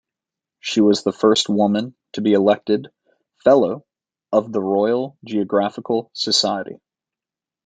She was the first woman to be elected Fellow of the Royal Geographical Society.